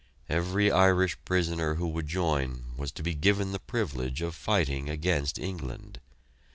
Every Irish prisoner who would join was to be given the privilege of fighting against England.